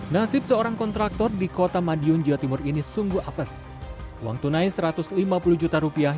nasib seorang kontraktor di kota madiun jawa timur ini sungguh apes uang tunai satu ratus lima puluh juta rupiah